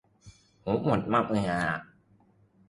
ผมกดมาเผื่อละ